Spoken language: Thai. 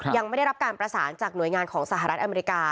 ยังไม่ได้รับการประสานจากหน่วยงานของสหรัฐอเมริกา